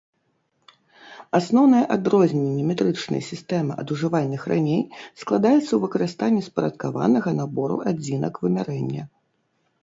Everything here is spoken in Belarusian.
Асноўнае адрозненне метрычнай сістэмы ад ужывальных раней складаецца ў выкарыстанні спарадкаванага набору адзінак вымярэння.